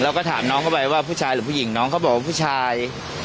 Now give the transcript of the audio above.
เราก็ถามน้องเข้าไปว่าผู้ชายหรือผู้หญิงน้องเขาบอกว่าผู้ชาย